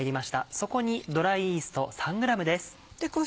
そこにドライイースト３ｇです。